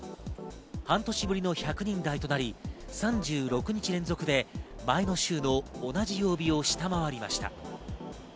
半年ぶりの１００人台となり、３６日連続で前の週の同じ曜日を下回りました。